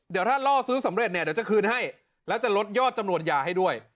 เดี๋ยวถ้าล่อซื้อสำเร็จเนี่ยเดี๋ยวจะคืนให้แล้วจะลดยอดจำนวนยาให้ด้วย